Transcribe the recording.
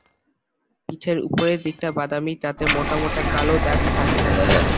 পিঠের উপরের দিকটা বাদামি, তাতে মোটা মোটা কালো দাগ থাকে।